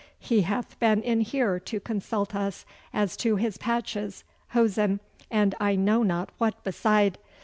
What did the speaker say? He hath been in here to consult us as to his patches, hosen, and I know not what beside.